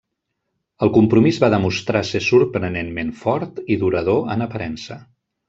El compromís va demostrar ser sorprenentment fort i durador en aparença.